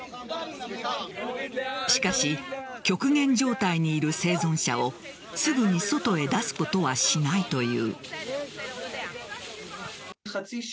しかし極限状態にいる生存者をすぐに外へ出すことはしないという。